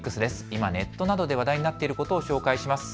今、ネットなどで話題になっていることを紹介します。